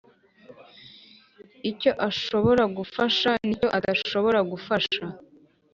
icyo ashobora gufasha nicyo adashobora gufasha